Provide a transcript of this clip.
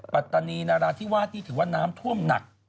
ปัตตานีนาราธิวาสที่ถือว่าน้ำท่วมหนัก